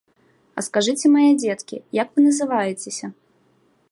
А скажыце, мае дзеткі, як вы называецеся?